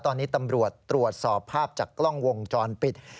ตอนนี้ตำรวจตรวจสอบภาพจากกล้องวงจรปิด